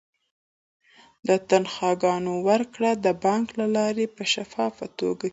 د تنخواګانو ورکړه د بانک له لارې په شفافه توګه کیږي.